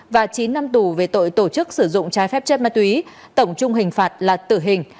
và chín năm tù về tội tổ chức sử dụng trái phép chất ma túy tổng trung hình phạt là tử hình